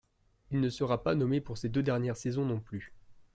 Il ne sera pas nommé pour ses deux dernières saisons non plus.